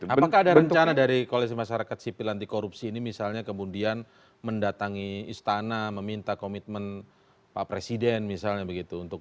apakah ada rencana dari koalisi masyarakat sipil anti korupsi ini misalnya kemudian mendatangi istana meminta komitmen pak presiden misalnya begitu